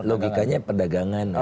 logikanya perdagangan kan